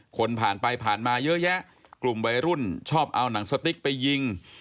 คนผ่านไปผ่านมาเยอะแยะกลุ่มวัยรุ่นชอบเอาหนังสติ๊กไปยิง